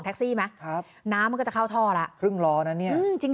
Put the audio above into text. แท็กซี่ไหมครับน้ำก็จะเข้าท่อล่ะครึ่งรอนะเนี้ยอืม